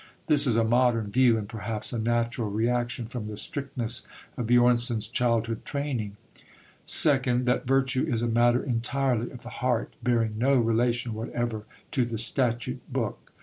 This is a modern view, and perhaps a natural reaction from the strictness of Björnson's childhood training. Second, that virtue is a matter entirely of the heart, bearing no relation whatever to the statute book.